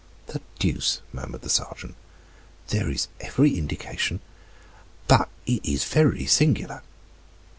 "The deuce!" murmured the sergeant; "there is every indication But it is very singular."